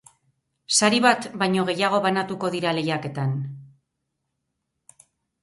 Sari bat baino gehiago banatuko dira lehiaketan.